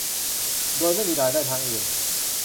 โดยไม่มีรายได้ทางอื่น